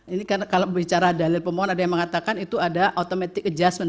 ini karena kalau bicara dalil pemohon ada yang mengatakan itu ada automatic adjustment